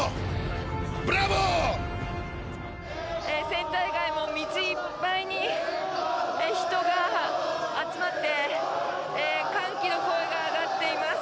センター街も道いっぱいに人が集まって歓喜の声が上がっています。